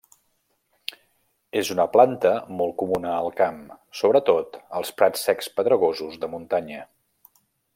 És una planta molt comuna al camp, sobretot als prats secs pedregosos de muntanya.